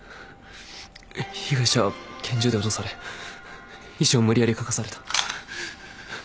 被害者は拳銃で脅され遺書を無理やり書かされた。